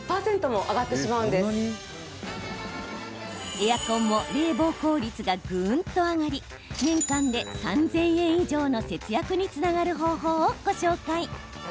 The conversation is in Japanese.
エアコンも冷房効率がぐーんと上がり年間で３０００円以上の節約につながる方法をご紹介。